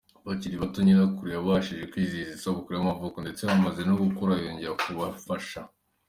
Bakiri bato, nyirakuru yabafashije kwizihiza isabukuru y'amavuko, ndetse bamaze no gukura yongera kubafasha.